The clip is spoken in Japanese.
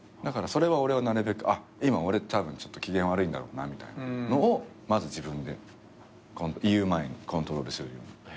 だからそれは俺はなるべくあっ今俺たぶんちょっと機嫌悪いんだろうなみたいなのをまず自分で言う前にコントロールするように。